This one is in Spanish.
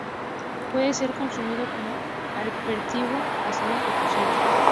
Puede ser consumido como aperitivo, asado o cocido.